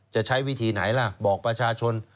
จะใช้วิธีไหนล่ะบอกประชาชน